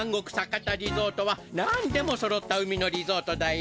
リゾートはなんでもそろった海のリゾートだよ。